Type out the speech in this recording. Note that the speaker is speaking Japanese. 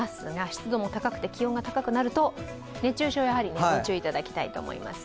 湿度も高くて気温も高くなると、熱中症にやはりご注意いただきたいと思います。